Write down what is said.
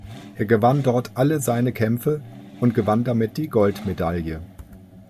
Er gewann dort alle seine Kämpfe und gewann damit die Goldmedaille.